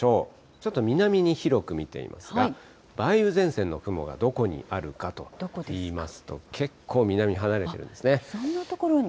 ちょっと南に広く見てみますが、梅雨前線の雲がどこにあるかといいますと、結構南に離れているんそんな所に。